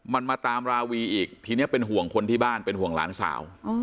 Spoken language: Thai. มันมาตามราวีอีกทีนี้เป็นห่วงคนที่บ้านเป็นห่วงหลานสาว